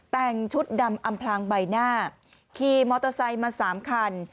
แต่งชุดดำอำพลางใบหน้าขี่มอเตอร์ไซค์มา๓คัน